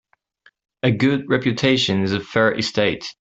A good reputation is a fair estate.